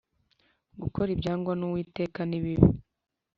gukora ibyangwa n Uwiteka nibibi